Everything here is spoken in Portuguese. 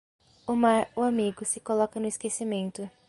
O mar, o amigo se coloca no esquecimento.